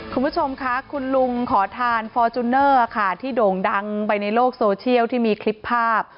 คุณผู้ชมค่ะคุณลุงขอทานฟอร์จูเนอร์ค่ะที่โด่งดังไปในโลกโซเชียลที่มีคลิปภาพ